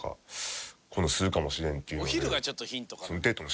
お昼がちょっとヒントかも。